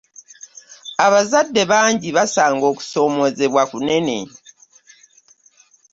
Abazadde bangi basanga okusomoozebwa kunene.